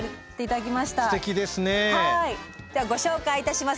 じゃあご紹介いたします。